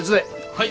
はい！